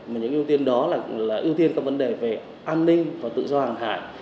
mà những ưu tiên đó là ưu tiên về vấn đề an ninh và tự do hàng hải